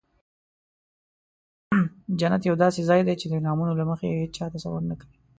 جنت یو داسې ځای دی چې د انعامونو له مخې هیچا تصور نه کوي.